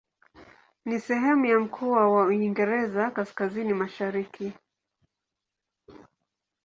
Ni sehemu ya mkoa wa Uingereza Kaskazini-Mashariki.